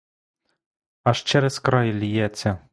Аж через край ллється!